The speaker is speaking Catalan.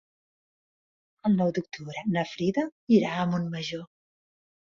El nou d'octubre na Frida irà a Montmajor.